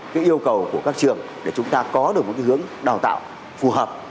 cái yêu cầu của các trường để chúng ta có được một cái hướng đào tạo phù hợp